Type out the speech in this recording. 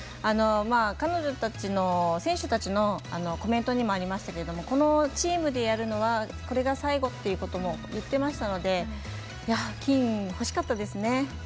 彼女たちの選手たちのコメントにもありましたがこのチームでやるのはこれが最後ということも言ってましたので金ほしかったですね。